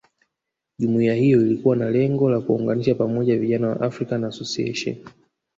Jumuiya hiyo ilikuwa na lengo la kuwaunganisha pamoja vijana wa African Association